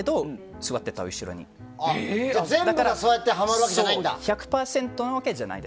全部がそうやってはまるわけじゃないんだ。